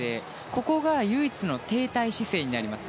ここが唯一の停滞姿勢になります。